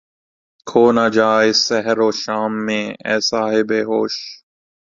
کھو نہ جا اس سحر و شام میں اے صاحب ہوش